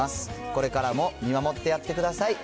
これからも見守ってやってください。